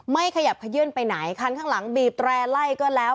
ไม่ขยับขยื่นไปไหนคันข้างหลังบีบแร่ไล่ก็แล้ว